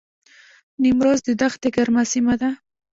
نیمروز د دښتې ګرمه سیمه ده